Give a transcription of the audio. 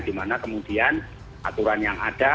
dimana kemudian aturan yang ada